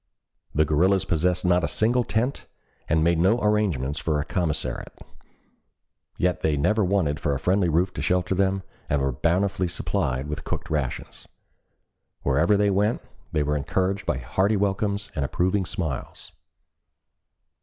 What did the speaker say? The guerrillas possessed not a single tent, and made no arrangements for a commissariat, yet they never wanted for a friendly roof to shelter them and were bountifully supplied with cooked rations. Wherever they went they were encouraged by hearty welcomes and approving smiles.